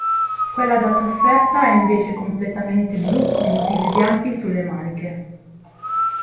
Quella da trasferta è invece completamente blu con motivi bianchi sulle maniche.